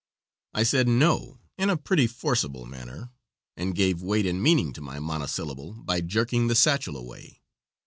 I said "no" in a pretty forcible manner, and gave weight and meaning to my monosyllable by jerking the sachel away.